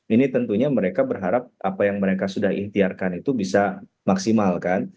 ini tentunya mereka berharap apa yang mereka sudah ikhtiarkan itu bisa maksimal kan